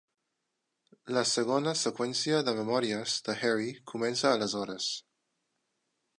La segona seqüència de memòries de Harry comença aleshores.